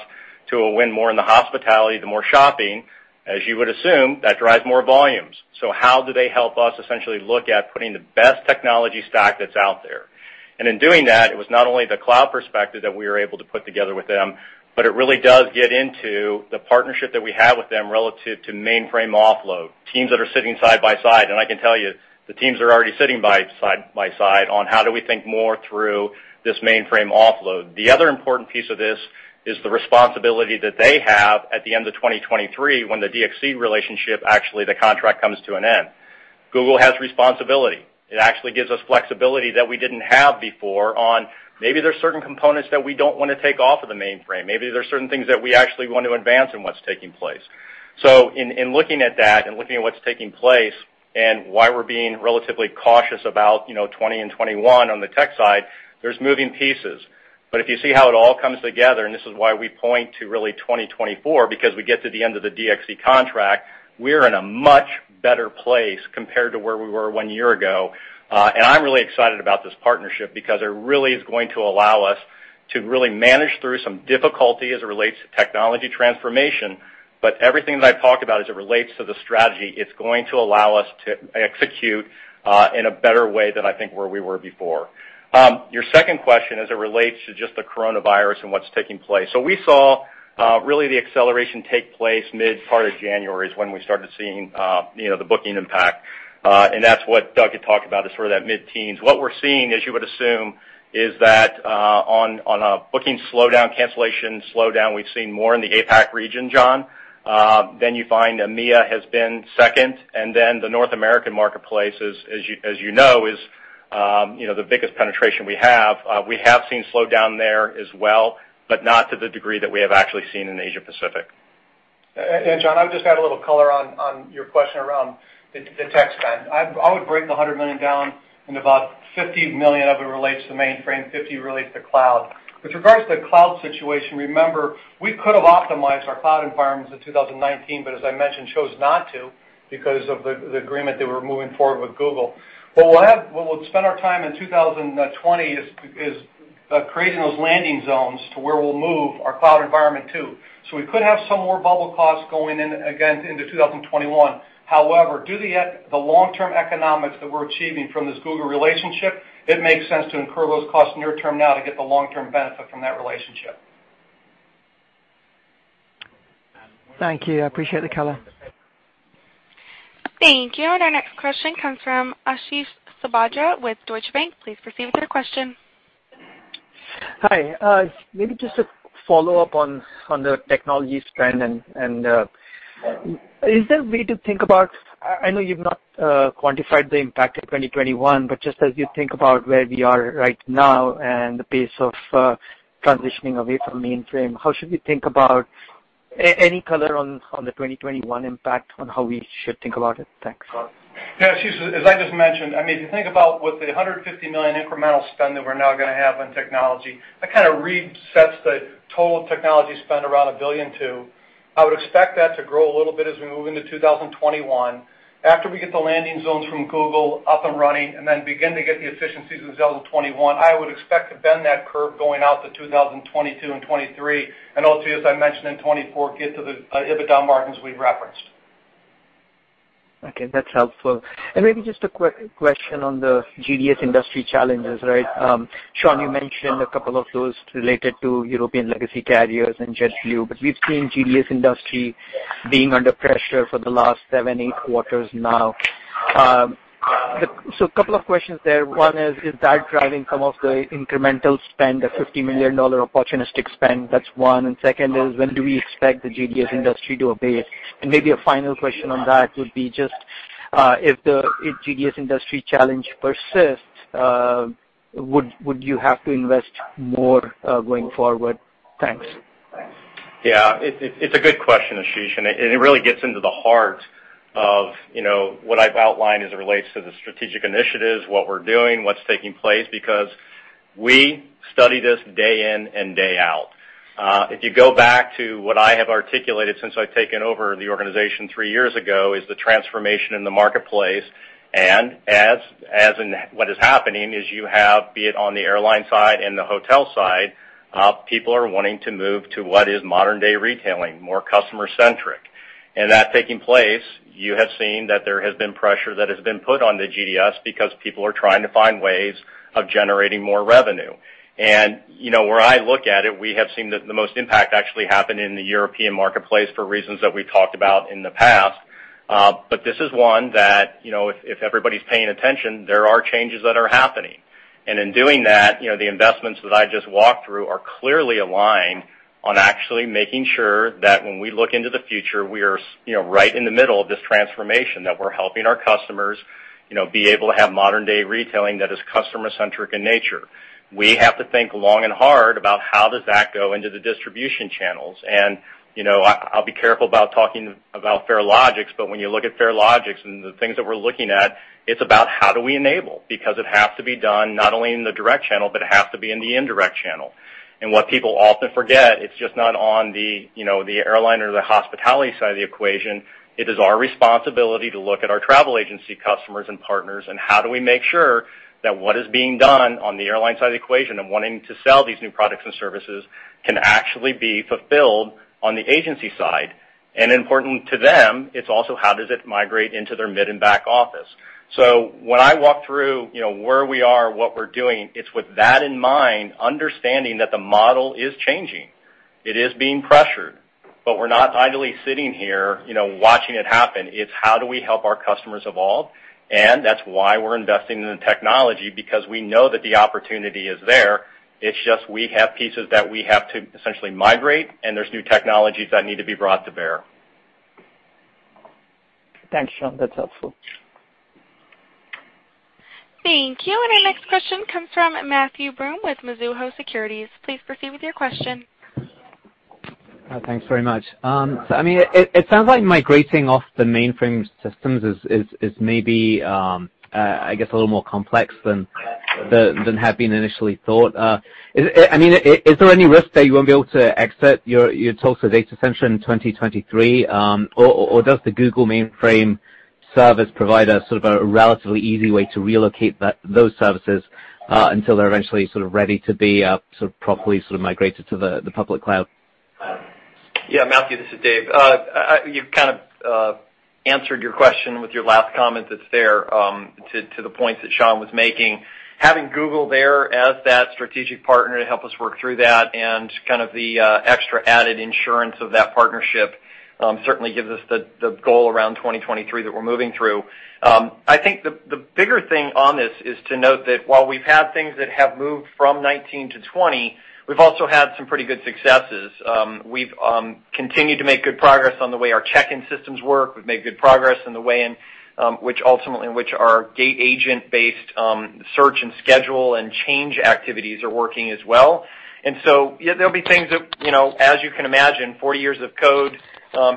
to win more in the hospitality, the more shopping, as you would assume, that drives more volumes. How do they help us essentially look at putting the best technology stack that's out there? In doing that, it was not only the cloud perspective that we were able to put together with them, but it really does get into the partnership that we have with them relative to mainframe offload, teams that are sitting side by side. I can tell you, the teams are already sitting side by side on how do we think more through this mainframe offload. The other important piece of this is the responsibility that they have at the end of 2023 when the DXC relationship, actually, the contract comes to an end. Google has responsibility. It actually gives us flexibility that we didn't have before on maybe there's certain components that we don't want to take off of the mainframe. Maybe there's certain things that we actually want to advance in what's taking place. In looking at that and looking at what's taking place and why we're being relatively cautious about 2020 and 2021 on the tech side, there's moving pieces. If you see how it all comes together, and this is why we point to really 2024, because we get to the end of the DXC contract, we're in a much better place compared to where we were one year ago. I'm really excited about this partnership because it really is going to allow us to really manage through some difficulty as it relates to technology transformation. Everything that I've talked about as it relates to the strategy, it's going to allow us to execute in a better way than I think where we were before. Your second question as it relates to just the coronavirus and what's taking place. We saw really the acceleration take place mid part of January is when we started seeing the booking impact. That's what Doug had talked about as sort of that mid-teens. What we're seeing, as you would assume, is that on a booking slowdown, cancellation slowdown, we've seen more in the APAC region, John. You find EMEA has been second, and then the North American marketplace, as you know, is the biggest penetration we have. We have seen slowdown there as well, but not to the degree that we have actually seen in Asia Pacific. John, I would just add a little color on your question around the tech spend. I would break the $100 million down in about $50 million of it relates to mainframe, $50 million relates to cloud. With regards to the cloud situation, remember, we could have optimized our cloud environments in 2019, but as I mentioned, chose not to because of the agreement that we're moving forward with Google. What we'll spend our time in 2020 is creating those landing zones to where we'll move our cloud environment to. We could have some more bubble costs going in, again, into 2021. Due to the long-term economics that we're achieving from this Google relationship, it makes sense to incur those costs near term now to get the long-term benefit from that relationship. Thank you. I appreciate the color. Thank you. Our next question comes from Ashish Sabadra with Deutsche Bank. Please proceed with your question. Hi. Maybe just a follow-up on the technology spend, is there a way to think about, I know you've not quantified the impact of 2021, but just as you think about where we are right now and the pace of transitioning away from mainframe, how should we think about any color on the 2021 impact on how we should think about it? Thanks. Ashish, as I just mentioned, if you think about what the $150 million incremental spend that we're now going to have on technology, that kind of resets the total technology spend around $1 billion to. I would expect that to grow a little bit as we move into 2021. After we get the landing zones from Google up and running and then begin to get the efficiencies in 2021, I would expect to bend that curve going out to 2022 and 2023, and ultimately, as I mentioned, in 2024, get to the EBITDA margins we've referenced. Okay, that's helpful. Maybe just a quick question on the GDS industry challenges, right? Sean, you mentioned a couple of those related to European Legacy Carriers and JetBlue, we've seen GDS industry being under pressure for the last seven, eight quarters now. A couple of questions there. One is that driving some of the incremental spend, the $50 million opportunistic spend? That's one. Second is, when do we expect the GDS industry to abate? Maybe a final question on that would be just if the GDS industry challenge persists, would you have to invest more, going forward? Thanks. Yeah. It's a good question, Ashish, and it really gets into the heart of what I've outlined as it relates to the strategic initiatives, what we're doing, what's taking place, because we study this day in and day out. If you go back to what I have articulated since I've taken over the organization three years ago, is the transformation in the marketplace. As in what is happening is you have, be it on the airline side and the hotel side, people are wanting to move to what is modern-day retailing, more customer-centric. That taking place, you have seen that there has been pressure that has been put on the GDS because people are trying to find ways of generating more revenue. Where I look at it, we have seen that the most impact actually happened in the European marketplace for reasons that we've talked about in the past. This is one that, if everybody's paying attention, there are changes that are happening. In doing that, the investments that I just walked through are clearly aligned on actually making sure that when we look into the future, we are right in the middle of this transformation, that we're helping our customers be able to have modern-day retailing that is customer-centric in nature. We have to think long and hard about how does that go into the distribution channels. I'll be careful about talking about Farelogix, but when you look at Farelogix and the things that we're looking at, it's about how do we enable, because it has to be done not only in the direct channel, but it has to be in the indirect channel. What people often forget, it's just not on the airline or the hospitality side of the equation. It is our responsibility to look at our travel agency customers and partners, and how do we make sure that what is being done on the airline side of the equation and wanting to sell these new products and services can actually be fulfilled on the agency side. Important to them, it's also how does it migrate into their mid and back office. When I walk through, where we are, what we're doing, it's with that in mind, understanding that the model is changing. It is being pressured, but we're not idly sitting here, watching it happen. It's how do we help our customers evolve. That's why we're investing in the technology, because we know that the opportunity is there. It's just we have pieces that we have to essentially migrate, and there's new technologies that need to be brought to bear. Thanks, Sean. That's helpful. Thank you. Our next question comes from Matthew Broome with Mizuho Securities. Please proceed with your question. Thanks very much. I mean, it sounds like migrating off the mainframe systems is maybe, I guess a little more complex than had been initially thought. Is there any risk that you won't be able to exit your talks with Accenture in 2023? Does the Google mainframe service provide a sort of a relatively easy way to relocate those services, until they're eventually sort of ready to be properly migrated to the public cloud? Yeah, Matthew, this is Dave. You've kind of answered your question with your last comment that's fair to the point that Sean was making. Having Google there as that strategic partner to help us work through that and kind of the extra added insurance of that partnership, certainly gives us the goal around 2023 that we're moving through. I think the bigger thing on this is to note that while we've had things that have moved from 2019 to 2020, we've also had some pretty good successes. We've continued to make good progress on the way our check-in systems work. We've made good progress in the way in which ultimately our gate agent-based search and schedule and change activities are working as well. There'll be things that as you can imagine, 40 years of code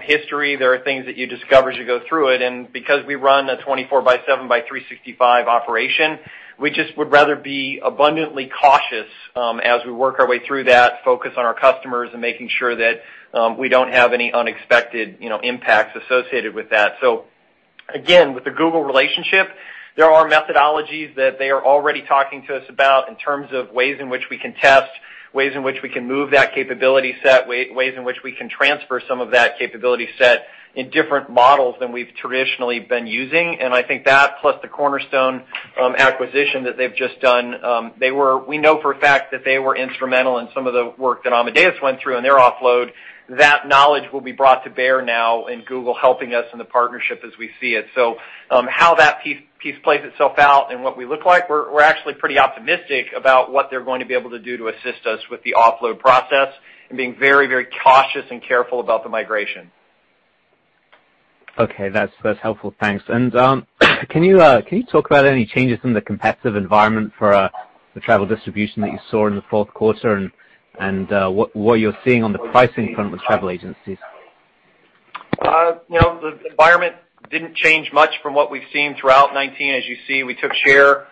history, there are things that you discover as you go through it. Because we run a 24 by 7 by 365 operation, we just would rather be abundantly cautious as we work our way through that focus on our customers and making sure that we don't have any unexpected impacts associated with that. Again, with the Google relationship, there are methodologies that they are already talking to us about in terms of ways in which we can test, ways in which we can move that capability set, ways in which we can transfer some of that capability set in different models than we've traditionally been using. I think that plus the Cornerstone acquisition that they've just done, we know for a fact that they were instrumental in some of the work that Amadeus went through in their offload. That knowledge will be brought to bear now in Google helping us in the partnership as we see it. How that piece plays itself out and what we look like, we're actually pretty optimistic about what they're going to be able to do to assist us with the offload process and being very cautious and careful about the migration. Okay. That's helpful. Thanks. Can you talk about any changes in the competitive environment for the travel distribution that you saw in the fourth quarter and what you're seeing on the pricing front with travel agencies? The environment didn't change much from what we've seen throughout 2019. As you see, we took share,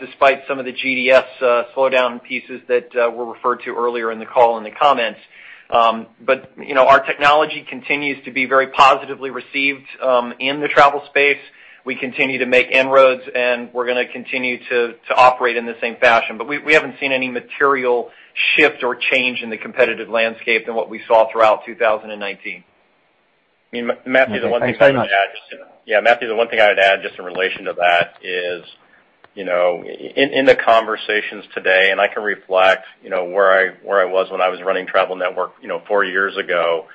despite some of the GDS slowdown pieces that were referred to earlier in the call in the comments. Our technology continues to be very positively received, in the travel space. We continue to make inroads, and we're going to continue to operate in the same fashion. We haven't seen any material shift or change in the competitive landscape than what we saw throughout 2019. Matthew, the one thing I would add. Thanks very much. Yeah. Matthew, the one thing I would add just in relation to that is, in the conversations today, and I can reflect where I was when I was running Travel Network four years ago,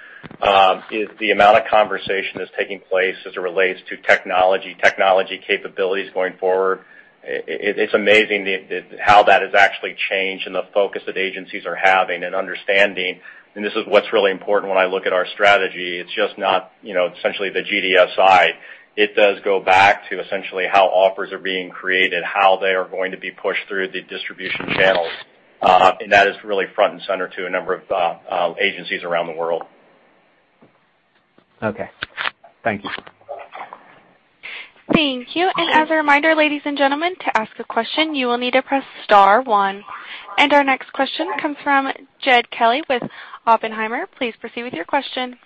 is the amount of conversation that's taking place as it relates to technology capabilities going forward. It's amazing how that has actually changed and the focus that agencies are having and understanding. This is what's really important when I look at our strategy. It's just not essentially the GDS side. It does go back to essentially how offers are being created, how they are going to be pushed through the distribution channels. That is really front and center to a number of agencies around the world. Okay. Thank you. Thank you. As a reminder, ladies and gentlemen, to ask a question, you will need to press star one. Our next question comes from Jed Kelly with Oppenheimer. Please proceed with your question.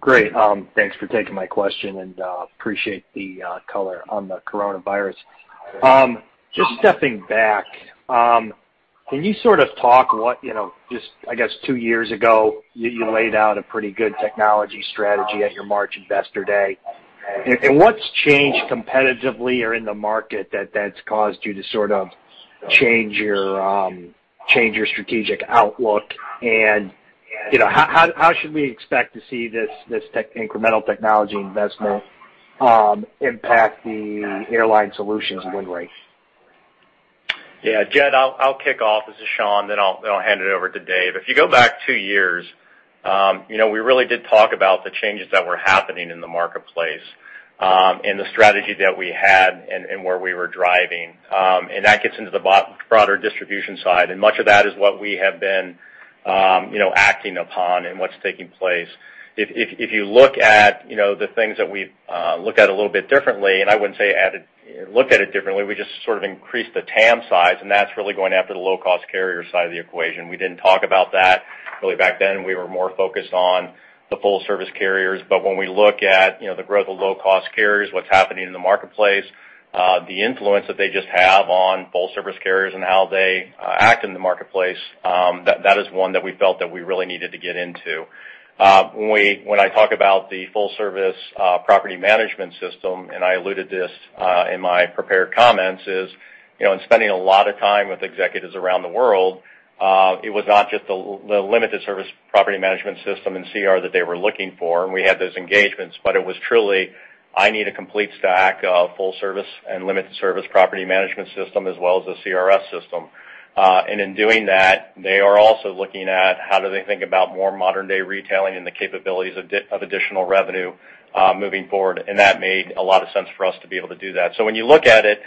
Great. Thanks for taking my question and appreciate the color on the coronavirus. Just stepping back, can you sort of talk just I guess two years ago, you laid out a pretty good technology strategy at your March Investor Day. What's changed competitively or in the market that's caused you to sort of change your strategic outlook? How should we expect to see this incremental technology investment impact the Airline Solutions win rate? Yeah. Jed, I'll kick off. This is Sean, then I'll hand it over to Dave. If you go back two years. We really did talk about the changes that were happening in the marketplace, the strategy that we had and where we were driving. That gets into the broader distribution side. Much of that is what we have been acting upon and what's taking place. If you look at the things that we've looked at a little bit differently, I wouldn't say looked at it differently, we just sort of increased the TAM size. That's really going after the low-cost carrier side of the equation. We didn't talk about that really back then. We were more focused on the full-service carriers. When we look at the growth of low-cost carriers, what's happening in the marketplace, the influence that they just have on full-service carriers and how they act in the marketplace, that is one that we felt that we really needed to get into. When I talk about the full-service property management system, and I alluded this in my prepared comments, is in spending a lot of time with executives around the world, it was not just the limited service property management system and CRS that they were looking for, and we had those engagements, but it was truly, I need a complete stack of full service and limited service property management system, as well as a CRS system. In doing that, they are also looking at how do they think about more modern-day retailing and the capabilities of additional revenue moving forward, and that made a lot of sense for us to be able to do that. When you look at it,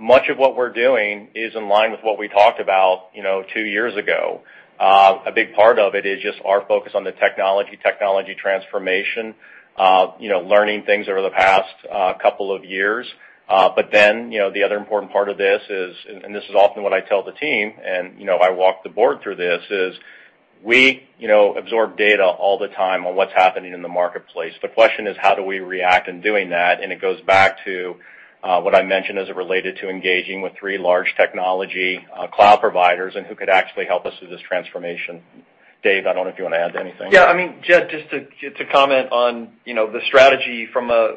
much of what we're doing is in line with what we talked about two years ago. A big part of it is just our focus on the technology transformation, learning things over the past couple of years. The other important part of this is, and this is often what I tell the team, and I walk the board through this, is we absorb data all the time on what's happening in the marketplace. The question is, how do we react in doing that? It goes back to what I mentioned as it related to engaging with three large technology cloud providers and who could actually help us through this transformation. Dave, I don't know if you want to add to anything. Yeah. Jed, just to comment on the strategy from a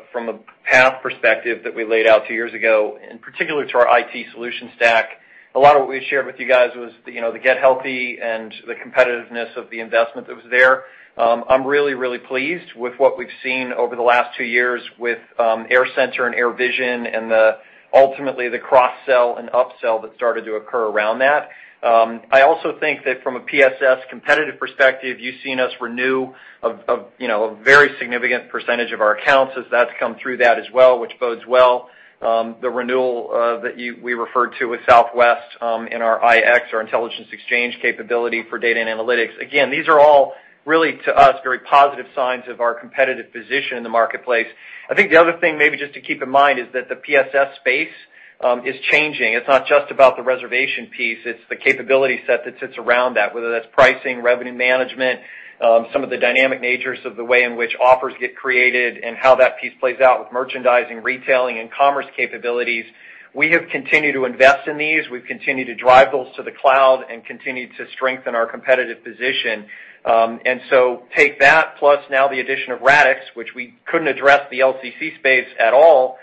path perspective that we laid out two years ago, in particular to our IT solution stack. A lot of what we shared with you guys was the Get Healthy and the competitiveness of the investment that was there. I'm really, really pleased with what we've seen over the last two years with AirCentre and AirVision and ultimately the cross-sell and up-sell that started to occur around that. I also think that from a PSS competitive perspective, you've seen us renew a very significant percentage of our accounts as that's come through that as well, which bodes well. The renewal that we referred to with Southwest in our IX, our Intelligence Exchange capability for data and analytics. Again, these are all really, to us, very positive signs of our competitive position in the marketplace. I think the other thing maybe just to keep in mind is that the PSS space is changing. It's not just about the reservation piece, it's the capability set that sits around that, whether that's pricing, revenue management, some of the dynamic natures of the way in which offers get created and how that piece plays out with merchandising, retailing, and commerce capabilities. We have continued to invest in these. We've continued to drive those to the cloud and continued to strengthen our competitive position. Take that, plus now the addition of Radixx, which we couldn't address the LCC space at all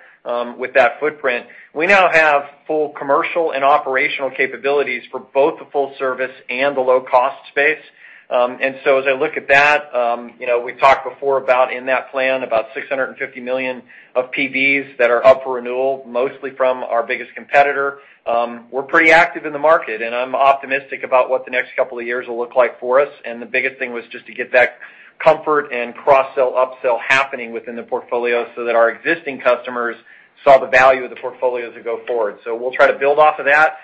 with that footprint. We now have full commercial and operational capabilities for both the full service and the low-cost space. As I look at that, we've talked before about in that plan, about 650 million of PBS that are up for renewal, mostly from our biggest competitor. We're pretty active in the market, and I'm optimistic about what the next couple of years will look like for us, and the biggest thing was just to get that comfort and cross-sell, up-sell happening within the portfolio so that our existing customers saw the value of the portfolio as we go forward. We'll try to build off of that.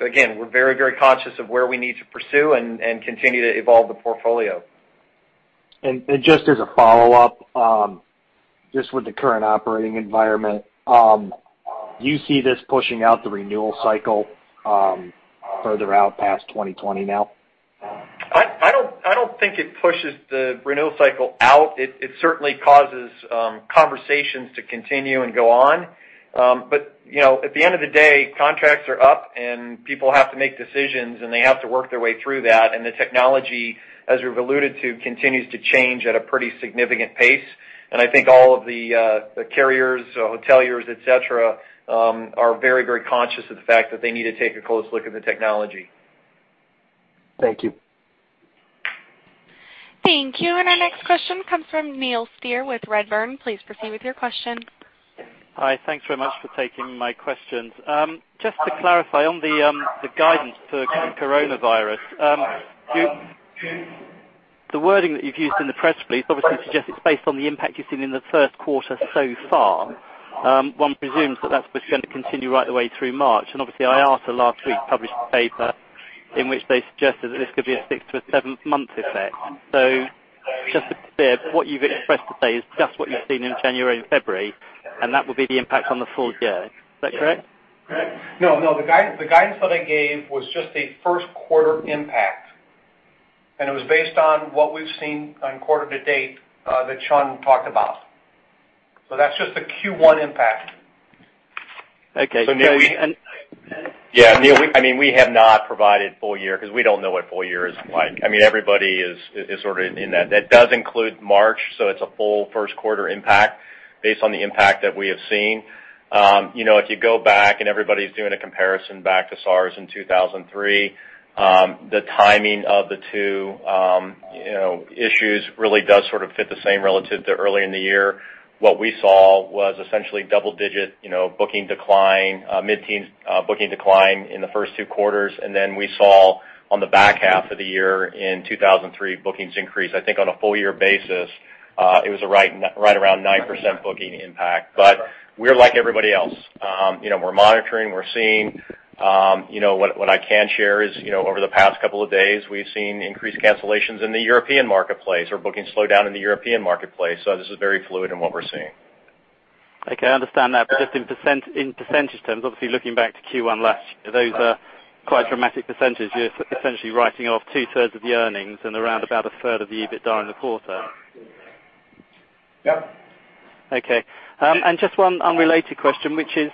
Again, we're very, very conscious of where we need to pursue and continue to evolve the portfolio. Just as a follow-up, just with the current operating environment, do you see this pushing out the renewal cycle further out past 2020 now? I don't think it pushes the renewal cycle out. It certainly causes conversations to continue and go on. At the end of the day, contracts are up and people have to make decisions, and they have to work their way through that. The technology, as we've alluded to, continues to change at a pretty significant pace. I think all of the carriers, hoteliers, et cetera, are very, very conscious of the fact that they need to take a close look at the technology. Thank you. Thank you. Our next question comes from Neil Steer with Redburn. Please proceed with your question. Hi. Thanks very much for taking my questions. Just to clarify on the guidance for coronavirus. The wording that you've used in the press release obviously suggests it's based on the impact you've seen in the first quarter so far. One presumes that's what's going to continue right the way through March. Obviously, IATA last week published a paper in which they suggested that this could be a six to a seven-month effect. Just to be clear, what you've expressed today is just what you've seen in January and February, and that will be the impact on the full year. Is that correct? No. The guidance that I gave was just a first quarter impact, and it was based on what we've seen on quarter to date that Sean talked about. That's just a Q1 impact. Okay. Neil. Yeah, Neil, we have not provided full year because we don't know what full year is like. Everybody is sort of in that. That does include March, so it's a full first quarter impact based on the impact that we have seen. If you go back and everybody's doing a comparison back to SARS in 2003, the timing of the two issues really does sort of fit the same relative to early in the year. What we saw was essentially double-digit booking decline, mid-teens booking decline in the first two quarters. Then we saw on the back half of the year in 2023, bookings increase. I think on a full year basis, it was right around 9% booking impact. We're like everybody else. We're monitoring, we're seeing. What I can share is, over the past couple of days, we've seen increased cancellations in the European marketplace or booking slowdown in the European marketplace. This is very fluid in what we're seeing. Okay, I understand that. Just in percentage terms, obviously, looking back to Q1 last year, those are quite dramatic percentages. You're essentially writing off 2/3 of the earnings and around about 1/3 of the EBITDA in the quarter. Yep. Okay. Just one unrelated question, which is,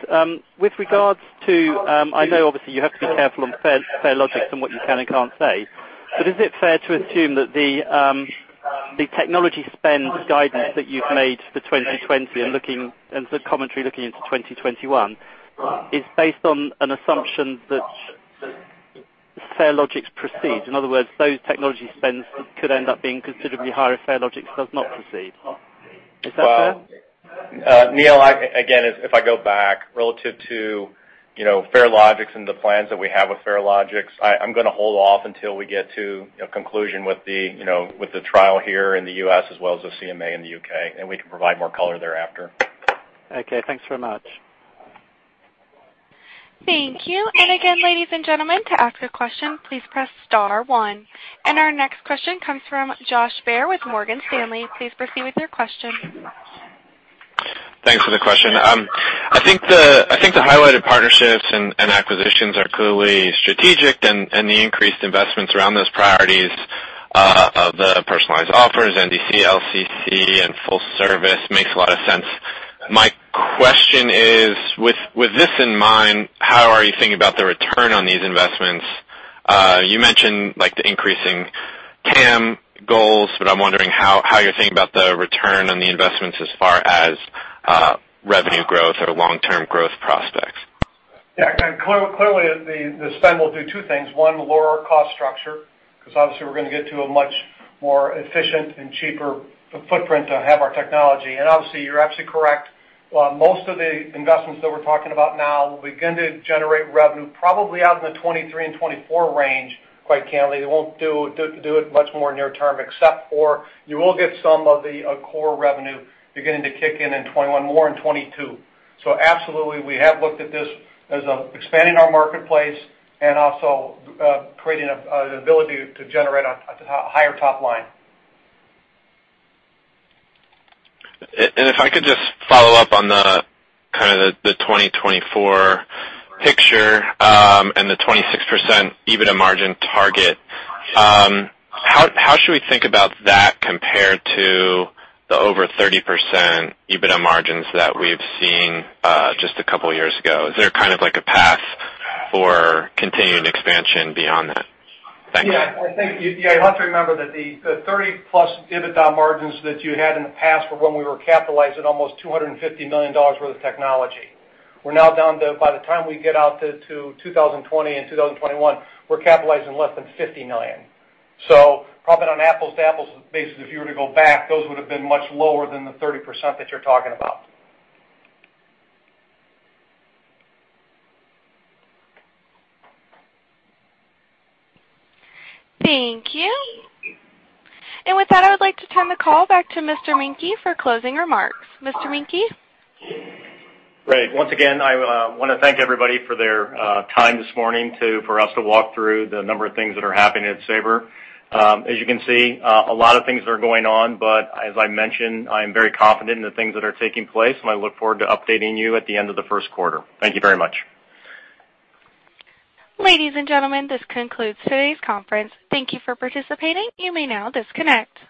with regards to. I know, obviously, you have to be careful on Farelogix and what you can and can't say. Is it fair to assume that the technology spend guidance that you've made for 2020 and the commentary looking into 2021 is based on an assumption that Farelogix proceeds? In other words, those technology spends could end up being considerably higher if Farelogix does not proceed. Is that fair? Neil, again, if I go back relative to Farelogix and the plans that we have with Farelogix, I'm going to hold off until we get to a conclusion with the trial here in the U.S. as well as the CMA in the U.K., and we can provide more color thereafter. Okay, thanks very much. Thank you. Again, ladies and gentlemen, to ask a question, please press star one. Our next question comes from Josh Baer with Morgan Stanley. Please proceed with your question. Thanks for the question. I think the highlighted partnerships and acquisitions are clearly strategic, and the increased investments around those priorities of the personalized offers, NDC, LCC, and full service makes a lot of sense. My question is, with this in mind, how are you thinking about the return on these investments? You mentioned the increasing TAM goals, but I'm wondering how you're thinking about the return on the investments as far as revenue growth or long-term growth prospects. Clearly, the spend will do two things. One, lower our cost structure, because obviously we're going to get to a much more efficient and cheaper footprint to have our technology. Obviously, you're absolutely correct. Most of the investments that we're talking about now will begin to generate revenue probably out in the 2023 and 2024 range, quite candidly. They won't do it much more near term, except for you will get some of the core revenue beginning to kick in in 2021, more in 2022. Absolutely, we have looked at this as expanding our marketplace and also creating an ability to generate a higher top line. If I could just follow up on the 2024 picture and the 26% EBITDA margin target. How should we think about that compared to the over 30% EBITDA margins that we've seen just a couple of years ago? Is there kind of like a path for continued expansion beyond that? Thanks. Yeah, you have to remember that the 30+ EBITDA margins that you had in the past were when we were capitalized at almost $250 million worth of technology. We're now down to, by the time we get out to 2020 and 2021, we're capitalized in less than $50 million. Profit on apples to apples basis, if you were to go back, those would've been much lower than the 30% that you're talking about. Thank you. With that, I would like to turn the call back to Mr. Menke for closing remarks. Mr. Menke? Great. Once again, I want to thank everybody for their time this morning for us to walk through the number of things that are happening at Sabre. As you can see, a lot of things are going on. As I mentioned, I am very confident in the things that are taking place, and I look forward to updating you at the end of the first quarter. Thank you very much. Ladies and gentlemen, this concludes today's conference. Thank you for participating. You may now disconnect.